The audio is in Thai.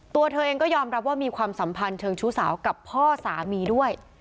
ตัวเธอเองก็ยอมรับว่ามีความสัมพันธ์เชิงชู้สาวกับพ่อสามีด้วย